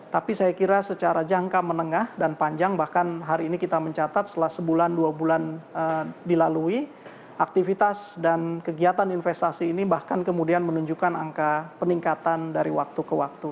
tapi saya kira secara jangka menengah dan panjang bahkan hari ini kita mencatat setelah sebulan dua bulan dilalui aktivitas dan kegiatan investasi ini bahkan kemudian menunjukkan angka peningkatan dari waktu ke waktu